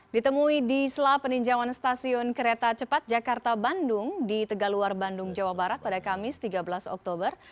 ditemui di sela peninjauan stasiun kereta cepat jakarta bandung di tegaluar bandung jawa barat pada kamis tiga belas oktober